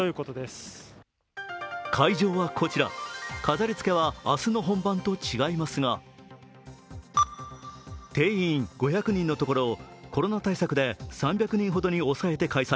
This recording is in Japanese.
飾り付けは明日の本番と違いますが定員５００人のところ、コロナ対策で３００人ほどに抑えて開催。